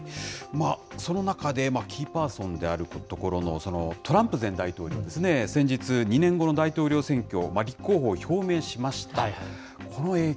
その中で、キーパーソンであるところのトランプ前大統領ですね、先日、２年後の大統領選挙、立候補を表明しました。